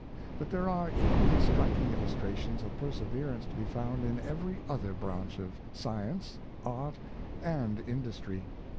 But there are equally striking illustrations of perseverance to be found in every other branch of science, art, and industry.